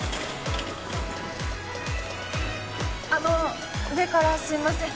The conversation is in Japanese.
あの上からすみません